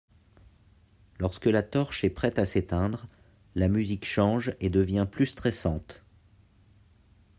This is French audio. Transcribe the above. Lorsque la torche est prête à s'éteindre, la musique change et devient plus stressante.